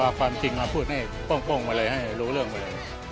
เอาความจริงมาพูดให้โป้งมาเลยให้รู้เรื่องไปเลย